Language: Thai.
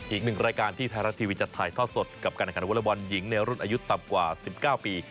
อีกหนึ่งรายการที่ไทยรักทีวีจัดถ่ายทอดสดกับการอาการวอเล่นบอลหญิงในรุ่นอายุต่ำกว่าสิบเก้าปี